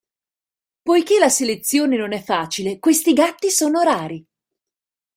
Poiché la selezione non è facile, questi gatti sono rari.